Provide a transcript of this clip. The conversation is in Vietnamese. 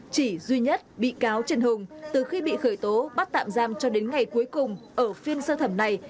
chỉ duy nhất bị cáo trần hùng từ khi bị khởi tố bắt tạm giam cho đến ngày cuối cùng ở phiên sơ thẩm này